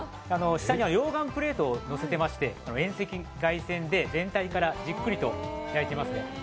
下には溶岩プレートをのせてまして遠赤外線で全体からじっくりと焼いています。